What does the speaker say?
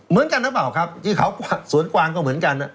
เหมือนกันหรือเปล่าครับที่เขาสวนกวางก็เหมือนกัน